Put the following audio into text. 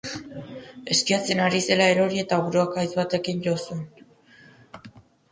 Eskiatzen ari zela erori eta buruak haitz batekin jo zuen.